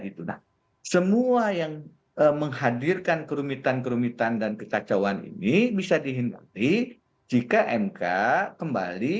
itulah semua yang menghadirkan kerumitan kerumitan dan kecacauan ini bisa dihentikan jika mk kembali